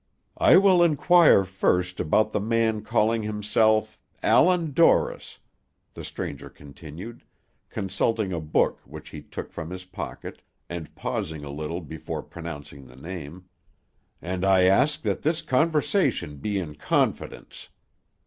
"I will inquire first about the man calling himself Allan Dorris," the stranger continued, consulting a book which he took from his pocket, and pausing a little before pronouncing the name, "and I ask that this conversation be in confidence.